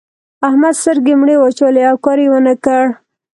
احمد سترګې مړې واچولې؛ او کار يې و نه کړ.